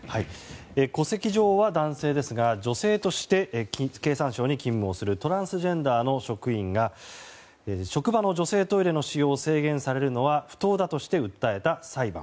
戸籍上は男性ですが女性として経産省に勤務するトランスジェンダーの職員が職場の女性トイレの使用を制限されるのは不当だとして訴えた裁判。